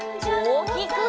おおきく！